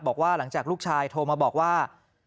บอกว่าหลังจากลูกชายโทรมาบอกว่า